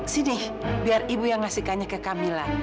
sini biar ibu yang ngasihkannya ke kamila